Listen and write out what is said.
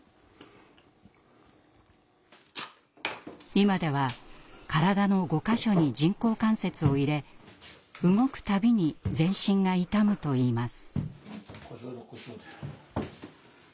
今では体の５か所に人工関節を入れ動く度に全身が痛むといいます。